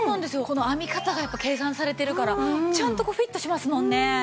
この編み方がやっぱ計算されてるからちゃんとフィットしますもんね。